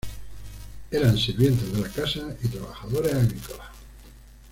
Eran sirvientes de la casa y trabajadores agrícolas.